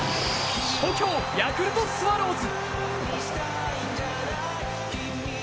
東京ヤクルトスワローズ。